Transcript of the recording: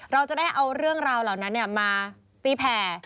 เราจะได้เอาเรื่องราวเหล่านั้นมาตีแผ่